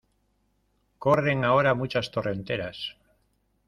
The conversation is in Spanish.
corren ahora muchas torrenteras.